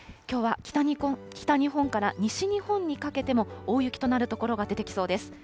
きょうは北日本から西日本にかけても大雪となる所が出てきそうです。